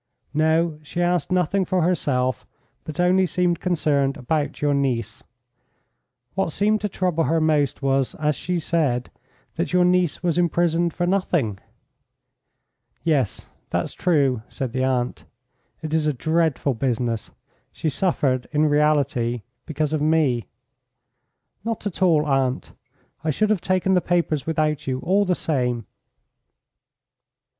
"No, she asked nothing for herself, but only seemed concerned about your niece. What seemed to trouble her most was, as she said, that your niece was imprisoned for nothing." "Yes, that's true," said the aunt. "It is a dreadful business. She suffered, in reality, because of me." "Not at all, aunt. I should have taken the papers without you all the same."